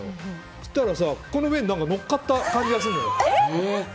そうしたらこの上に何か乗っかった感じがするのよ。